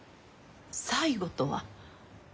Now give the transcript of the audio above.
「最後」とは？